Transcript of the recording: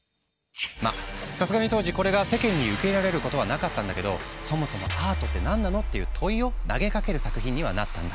まあさすがに当時これが世間に受け入れられることはなかったんだけど「そもそもアートって何なの？」っていう問いを投げかける作品にはなったんだ。